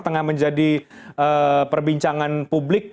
tengah menjadi perbincangan publik